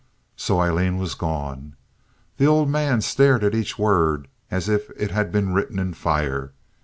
So Aileen was gone. The old man stared at each word as if it had been written in fire.